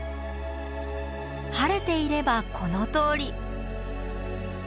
晴れていればこのとおり。